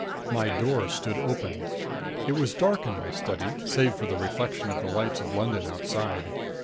My door stood open. It was dark in my study, save for the reflection of the lights of London outside.